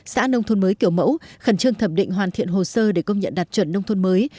xã nông thôn mới kiểu mẫu khẩn trương thẩm định hoàn thiện hồ sơ để công nhận đạt chuẩn nông thôn mới